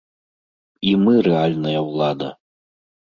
І мы рэальная ўлада.